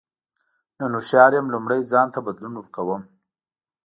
نن هوښیار یم لومړی ځان ته بدلون ورکوم.